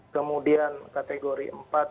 kemudian kategori empat